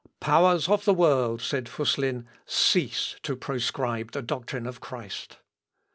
"Powers of the world," said Füsslin, "cease to proscribe the doctrine of Christ!